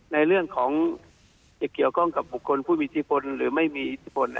ในเรื่องของจะเกี่ยวข้องกับบุคคลผู้มีอิทธิพลหรือไม่มีอิทธิพล